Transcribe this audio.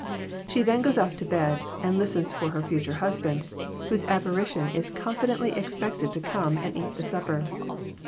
She then goes off to bed, and listens for her future husband, whose apparition is confidently expected to come and eat the supper.